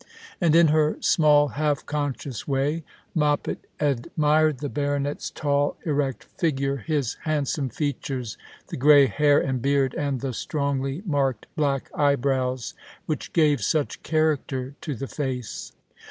And in her small half conscious way Moppet ad mired the baronet's tall, erect figure, his handsome features, the grey hair and beard, and the strongly marked black eyebrows which gave such character to the face.